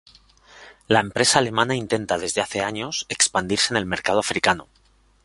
La empresa alemana intenta desde hace años expandirse en el mercado africano.